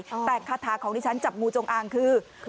แต่คาถาของที่ฉันจับงูจงอางคือ